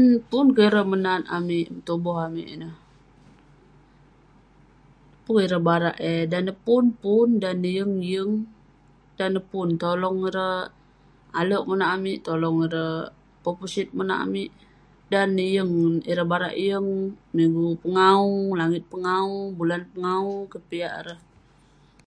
um Pun ke ireh menat amik, petuboh amik ineh. Pun ireh barak eh, dan ne pun, pun, dan ne yeng, yeng. Dan ne pun, tolong ireh alek monak amik, tolong ireh pepusit monak amik. Dan ne yeng, ireh barak yeng. Migu pengawu, langit pengawu, bulan pengawu keh piak ireh.